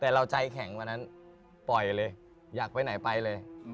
แต่เราใจแข็งวันนั้นปล่อยเลยอยากไปไหนไปเลย